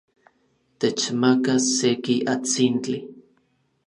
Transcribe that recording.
Techmaka seki atsintli.